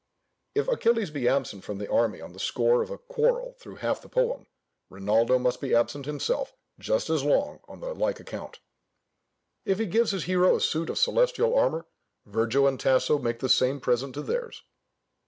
If Achilles be absent from the army on the score of a quarrel through half the poem, Rinaldo must absent himself just as long on the like account. If he gives his hero a suit of celestial armour, Virgil and Tasso make the same present to theirs.